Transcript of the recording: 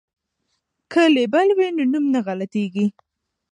که لیبل وي نو نوم نه غلطیږي.